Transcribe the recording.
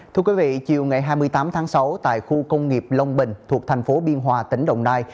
thưa quý vị chiều ngày hai mươi tám tháng sáu tại khu công nghiệp long bình thuộc thành phố biên hòa tỉnh đồng nai